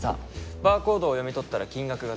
バーコードを読み取ったら金額が出る。